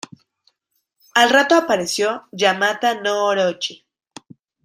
Al rato apareció Yamata-no-Orochi.